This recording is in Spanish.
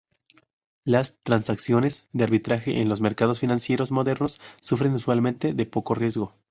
Las transacciones de arbitraje en los mercados financieros modernos sufren usualmente de poco riesgo.